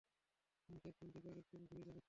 আমাকে এক রুম থেকে আরেক রুম ঘুরিয়ে দেখাচ্ছিল।